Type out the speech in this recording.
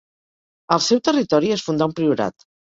Al seu territori es fundà un priorat.